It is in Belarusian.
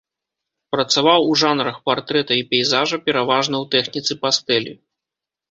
Працаваў у жанрах партрэта і пейзажа, пераважна ў тэхніцы пастэлі.